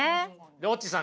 ロッチさん